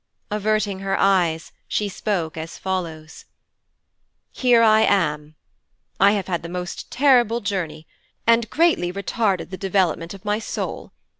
Averting her eyes, she spoke as follows: 'Here I am. I have had the most terrible journey and greatly retarded the development of my soul.